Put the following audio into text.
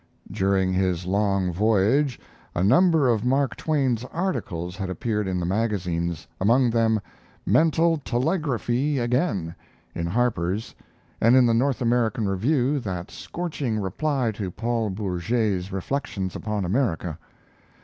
During his long voyage a number of Mark Twain's articles had appeared in the magazines, among them "Mental Telegraphy Again," in Harpers, and in the North American Review that scorching reply to Paul Bourget's reflections upon America.